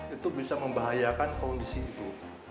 itu bisa membahayakan kondisi ibu